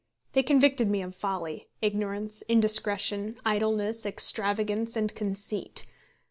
They convicted me of folly, ignorance, indiscretion, idleness, extravagance, and conceit.